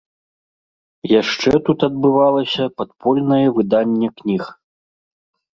Яшчэ тут адбывалася падпольнае выданне кніг.